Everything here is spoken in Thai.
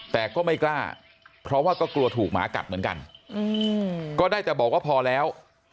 แต่ก็ไม่กล้าเพราะว่าก็กลัวถูกหมากัดเหมือนกันก็ได้แต่บอกว่าพอแล้ว